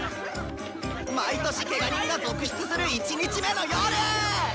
毎年ケガ人が続出する１日目の夜！